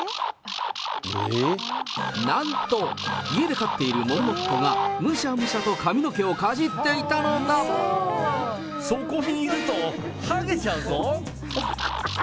なんと、家で飼っているモルモットが、むしゃむしゃと髪の毛をかじっていそこにいると、はげちゃうぞ。